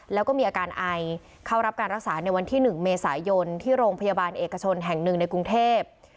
แล้วก็มีอาการไอเข้ารับการรักษาในวันที่๑เมษายนที่โรงพยาบาลเอกชนแห่งหนึ่งในกรุงเทพ